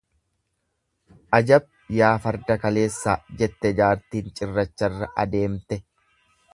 Ajab! Yaa farda kaleessaa jette jaartiin cirracharra adeemte.